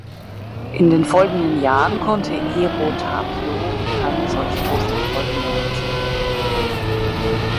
In den folgenden Jahren konnte Eero Tapio keine solch großen Erfolge mehr erzielen.